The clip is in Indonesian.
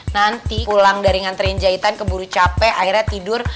nanti ulang dari nganterin jahitan keburu capek akhirnya tidur